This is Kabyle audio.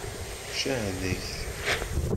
Ccah deg-k.